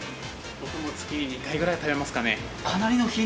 僕も月に２回くらい食べますね。